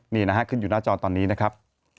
นี่นะฮะขึ้นอยู่หน้าจอตอนนี้นะครับ